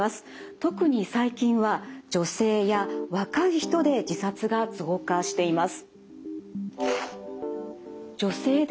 特に最近は女性や若い人で自殺が増加しています。